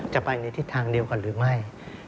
จะไปในทิศทางเดียวกันหรือไม่